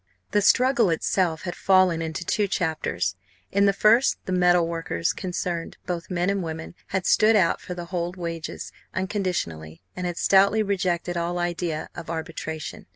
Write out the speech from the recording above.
The struggle itself had fallen into two chapters. In the first the metal workers concerned, both men and women, had stood out for the old wages unconditionally and had stoutly rejected all idea of arbitration.